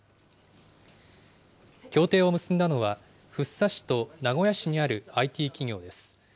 協定を結んだのは、福生市と名古屋市にあるＩＴ企業です。